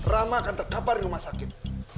rama akan terkapar di rumah sakit